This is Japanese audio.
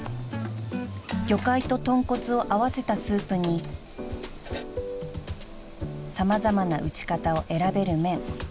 ［魚介と豚骨を合わせたスープに様々な打ち方を選べる麺］